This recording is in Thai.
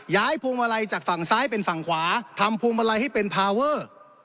พวงมาลัยจากฝั่งซ้ายเป็นฝั่งขวาทำพวงมาลัยให้เป็นพาเวอร์